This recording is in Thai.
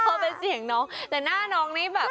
พอเป็นเสียงน้องแต่หน้าน้องนี่แบบ